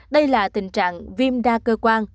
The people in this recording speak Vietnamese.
đây là tình trạng viêm đa cơ quan